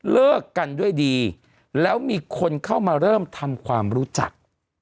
เลิกกันด้วยดีแล้วมีคนเข้ามาเริ่มทำความรู้จัก